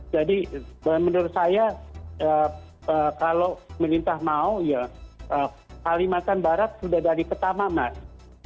jadi menurut saya kalau pemerintah mau ya kalimantan barat sudah dari pertama mas